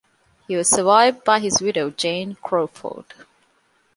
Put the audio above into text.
He was survived by his widow, Jane Crawford.